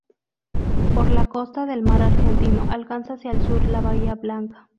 Por la costa del mar Argentino alcanza hacia el sur la bahía Blanca.